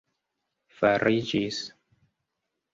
fariĝis